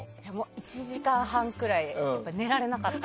１時間半くらい寝られなかった。